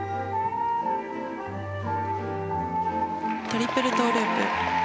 トリプルトウループ。